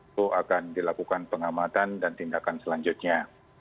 itu akan dilakukan pengamatan dan tindakan selanjutnya